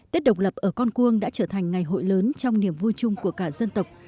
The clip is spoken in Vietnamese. tết độc lập ở con cuông đã trở thành ngày hội lớn trong niềm vui chung của cả dân tộc